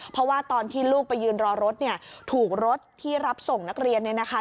เพราะว่าตอนที่ลูกไปยืนรอรถเนี่ยถูกรถที่รับส่งนักเรียนเนี่ยนะคะ